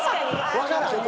分からん。